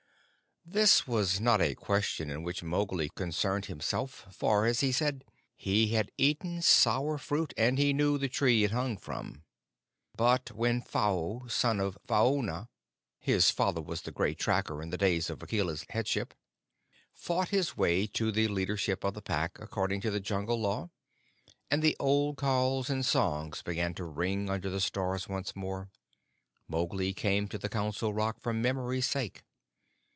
This was not a question in which Mowgli concerned himself, for, as he said, he had eaten sour fruit, and he knew the tree it hung from; but when Phao, son of Phaona (his father was the Gray Tracker in the days of Akela's headship), fought his way to the leadership of the Pack, according to Jungle Law, and the old calls and songs began to ring under the stars once more, Mowgli came to the Council Rock for memory's sake.